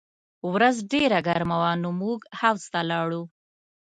ورځ ډېره ګرمه وه نو موږ حوض ته لاړو